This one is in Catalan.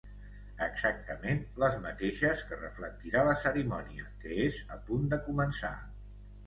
Exactament les mateixes que reflectirà la cerimònia que és a punt de començar.